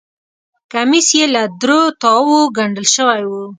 کمیس یې له درو تاوو ګنډل شوی و.